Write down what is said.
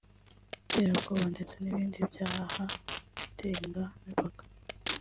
iterabwoba ndetse n’ibindi byaha ndenga-mipaka